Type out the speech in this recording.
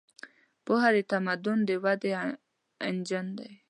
پوهه د تمدن د ودې انجن دی.